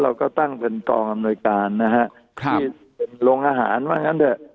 เราก็ตั้งเป็นกองคำหน่วยการนะฮะครับลงอาหารบ้างกันเถอะ